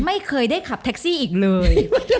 ไม่เคยได้ขับแท็กซี่อีกเลย